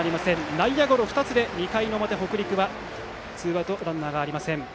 内野ゴロ２つで２回の表、北陸ツーアウト、ランナーなし。